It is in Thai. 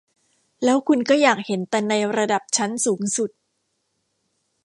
แล้วคุณก็อยากเห็นแต่ในระดับชั้นสูงสุด